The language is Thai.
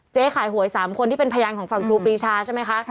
ขายหวย๓คนที่เป็นพยานของฝั่งครูปรีชาใช่ไหมคะ